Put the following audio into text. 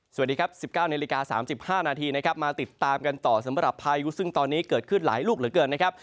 สวัสดีครับ๑๙นาฬิกา๓๕นาทีนะครับมาติดตามกันต่อสำหรับพายุซึ่งตอนนี้เกิดขึ้นหลายลูกเหลือเกินนะครับ